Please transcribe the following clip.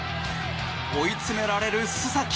追いつめられる須崎。